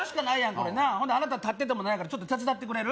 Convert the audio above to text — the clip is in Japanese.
これなあなた立っててもなんやからちょっと手伝ってくれる？